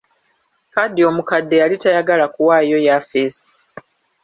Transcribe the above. Kadhi omukadde yali tayagala kuwaayo yafesi.